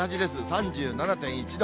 ３７．１度。